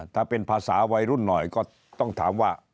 ถ้าเป็นภาษาวัยรุ่นหน่อยก็ต้องถามว่า